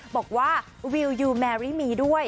บอกว่าวิวยูแมรี่มีด้วย